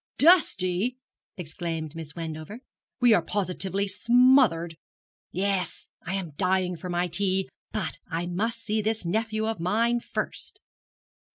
'Dusty!' exclaimed Miss Wendover; 'we are positively smothered. Yes. I am dying for my tea; but I must see this nephew of mine first.'